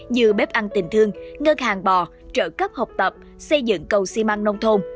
như bếp ăn tình thương ngân hàng bò trợ cấp học tập xây dựng cầu xi măng nông thôn